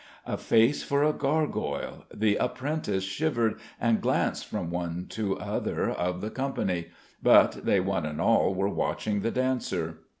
A face for a gargoyle! The apprentice shivered, and glanced from one to other of the company: but they, one and all, were watching the dancer.